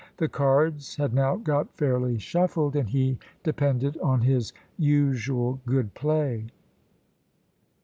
The cards had now got fairly shuffled, and he depended on his usual good play.